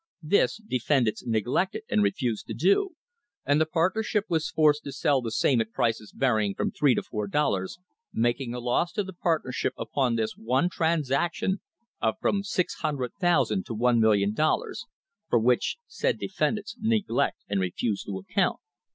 This, defendants neglected and refused to do, and the partnership was forced to sell the same at prices varying from three to four dollars, making a loss to the partnership upon this one transaction of from #600,000 to #1,000,000, for which said defendants neglect and refuse to account.